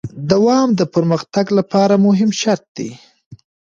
دوام د پرمختګ لپاره مهم شرط دی.